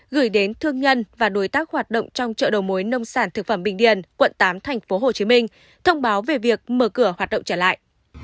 gửi đến thương nhân và đối tác hoạt động trong chợ đầu mối nông sản thực phẩm bình điền quận tám tp hcm thông báo về việc mở cửa hoạt động trở lại